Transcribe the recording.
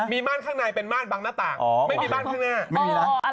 มีม่านข้างในเป็นม่านบังหน้าต่างไม่มีม่านข้างหน้า